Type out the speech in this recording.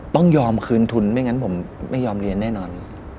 ต้องยอมคืนทุนไม่งั้นผมไม่ยอมเรียนแน่นอน